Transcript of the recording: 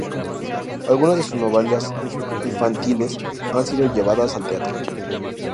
Algunas de sus novelas infantiles han sido llevadas al teatro.